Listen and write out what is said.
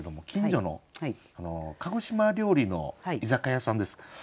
近所の鹿児島料理の居酒屋さんです。